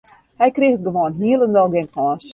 Hy kriget gewoan hielendal gjin kâns.